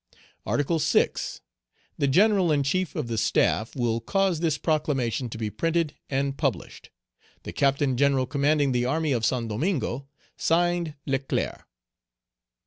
"Article 6. The General in chief of the Staff will cause this proclamation to be printed and published. "The Captain General commanding the army of Saint Domingo. (Signed) "LECLERC."